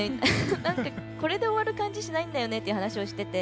なんか、これで終わる感じしないんだよねって話をしていて。